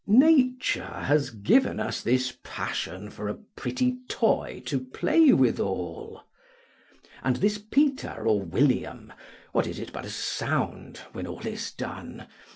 Nature has given us this passion for a pretty toy to play withal. And this Peter or William, what is it but a sound, when all is done?